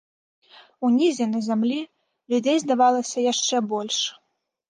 Унізе, на зямлі, людзей здавалася яшчэ больш.